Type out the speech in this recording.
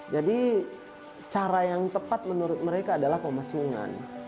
jadi cara yang tepat menurut mereka adalah pemasungan